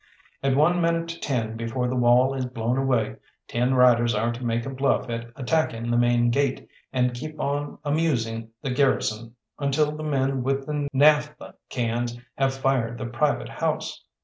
"At one minute to ten, before the wall is blown away, ten riders are to make a bluff at attacking the main gate, and keep on amusing the garrison until the men with the naphtha cans have fired the private house.